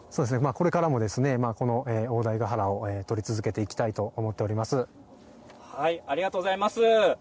これからもこの大台ヶ原を撮り続けていきたいと思っております。